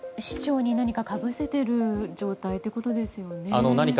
市長に何かかぶせている状態ということですよね。